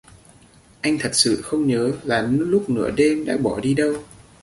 Anh thật sự không nhớ là lúc nửa đêm đã bỏ đi đâu